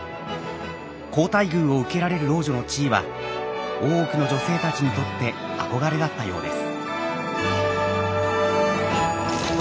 好待遇を受けられる老女の地位は大奥の女性たちにとって憧れだったようです。